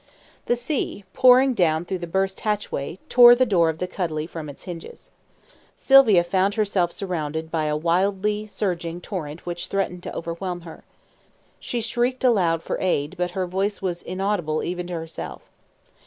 The sea, pouring down through the burst hatchway, tore the door of the cuddy from its hinges. Sylvia found herself surrounded by a wildly surging torrent which threatened to overwhelm her. She shrieked aloud for aid, but her voice was inaudible even to herself.